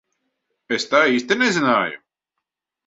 Es tā īsti nezināju.